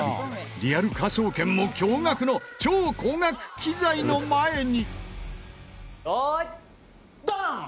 リアル科捜研も驚愕の超高額機材の前に。